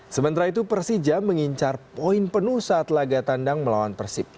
sementara itu persija mengincar poin penuh saat laga tandang melawan persib